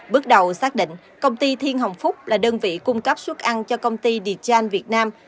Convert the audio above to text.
bước đầu xác định công ty thiên hồng phúc là đơn vị cung cấp suốt ăn cho công ty đê trang việt nam